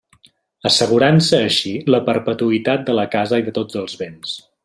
Assegurant-se així la perpetuïtat de la casa i de tots els béns.